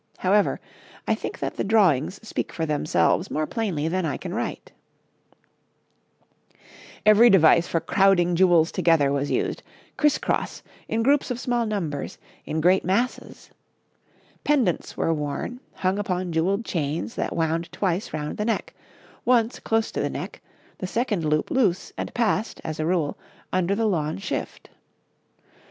However, I think that the drawings speak for themselves more plainly than I can write. [Illustration: {Four types of head dress for women}] Every device for crowding jewels together was used, criss cross, in groups of small numbers, in great masses. Pendants were worn, hung upon jewelled chains that wound twice round the neck, once close to the neck, the second loop loose and passed, as a rule, under the lawn shift.